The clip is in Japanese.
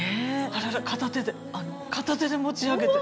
あらら片手で片手で持ち上げて。